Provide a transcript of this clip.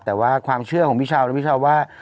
แต่ว่าความเชื่อของพี่เช้านะพี่ชาวว่า